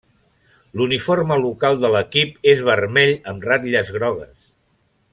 L'uniforme local de l'equip és vermell amb ratlles grogues.